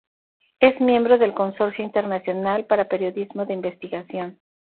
Es miembro del Consorcio Internacional para Periodismo de Investigación.